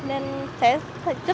nên sẽ rất thân thiện